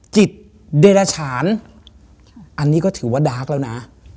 จิตเดรฉานอันนี้ก็ถือว่าดาร์กแล้วนะ